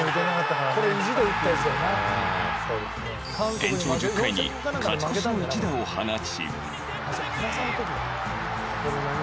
延長１０回に勝ち越しの一打を放ち。